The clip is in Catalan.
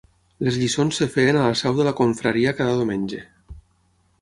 Les lliçons es feien a la seu de la confraria cada diumenge.